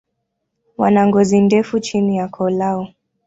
Wana ngozi ndefu chini ya koo lao.